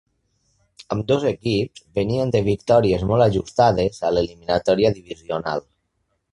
Ambdós equips venien de victòries molt ajustades a l'eliminatòria divisional.